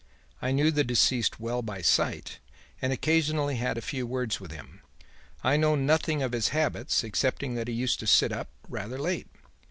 I knew the deceased well by sight and occasionally had a few words with him. I know nothing of his habits excepting that he used to sit up rather late.